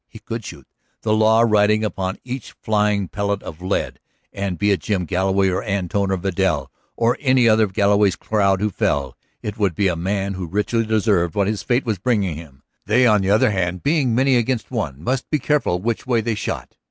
He could shoot, the law riding upon each flying pellet of lead, and be it Jim Galloway or Antone or Vidal, or any other of Galloway's crowd who fell, it would be a man who richly deserved what his fate was bringing him. They, on the other hand, being many against one, must be careful which way they shot.